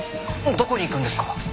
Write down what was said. どこに行くんですか？